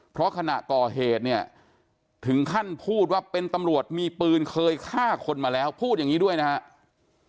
เพราะขณะก่อเหตุเนี่ยถึงขั้นพูดว่าเป็นตำรวจมีปืนเคยฆ่าคนมาแล้วพูดอย่างนี้ด้วยนะครับ